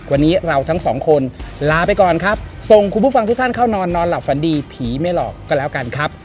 วันนี้เราทั้งสองคนลาไปก่อนครับส่งคุณผู้ฟังทุกท่านเข้านอนนอนหลับฝันดีผีไม่หลอกก็แล้วกันครับ